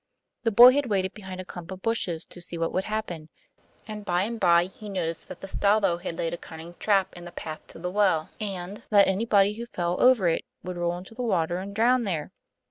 The boy had waited behind a clump of bushes to see what would happen, and by and by he noticed that the Stalo had laid a cunning trap in the path to the well, and that anybody who fell over it would roll into the water and drown there.